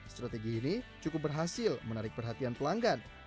strategi ini cukup berhasil menarik perhatian pelanggan